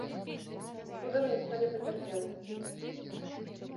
Цудам ніхто не пацярпеў.